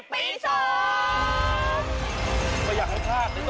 โดยไปต่อ